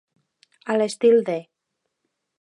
A l'estil de.